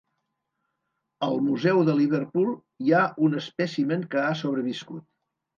Al Museu de Liverpool hi ha un espècimen que ha sobreviscut.